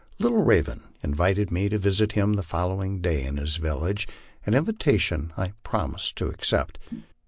Little Raven invited me to visit him the following day in his village, an in vitation I promised to accept.